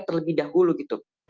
terlebih dahulu gitu